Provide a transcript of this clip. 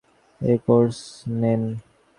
তিনি Warsaw School of Economics এ course নেন।